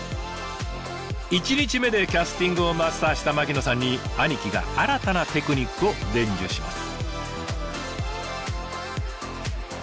１日目でキャスティングをマスターした槙野さんに兄貴が新たなテクニックを伝授します。